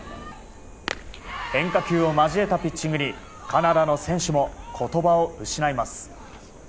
変化球を交えたピッチングにカナダの選手も言葉を失います。